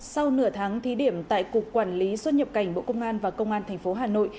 sau nửa tháng thí điểm tại cục quản lý xuất nhập cảnh bộ công an và công an tp hà nội